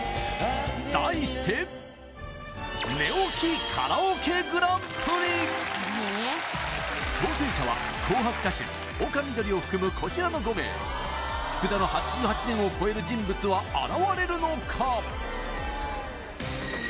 題して挑戦者は紅白歌手・丘みどりを含むこちらの５名福田の８８点を超える人物は現れるのか？